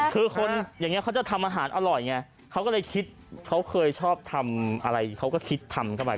คือคนอย่างเนี่ยเค้าจะทำอาหารอร่อยไงเค้าก็เลยคิดเค้าเคยชอบทำอะไรเค้าก็คิดทำกันใหม่